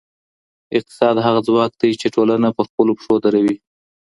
اقتصاد هغه ځواک دی چی ټولنه پر خپلو پښو دروي.